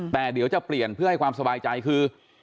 แต่เดี๋ยวจะเปลี่ยนเพื่อให้ความสบายใจคือ